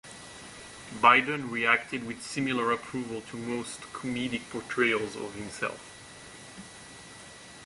Biden reacted with similar approval to most comedic portrayals of himself.